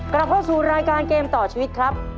กลับเข้าสู่รายการเกมต่อชีวิตครับ